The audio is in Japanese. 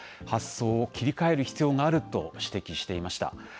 発想を切り替える必要があると指摘していました。